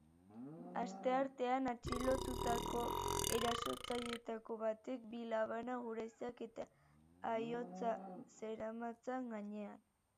Asteartean atxilotutako erasotzaileetako batek bi labana, guraizeak eta aihotza zeramatzan gainean.